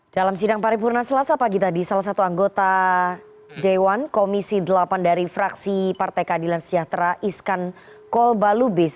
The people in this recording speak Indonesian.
dalam sidang paripurna selasa pagi tadi salah satu anggota dewan komisi delapan dari fraksi partai keadilan sejahtera iskan kolbalubis